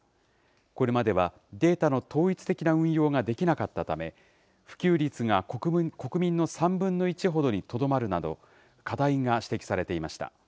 これまではデータの統一的な運用ができなかったため、普及率が国民の３分の１ほどにとどまるなど、課題が指摘されていました。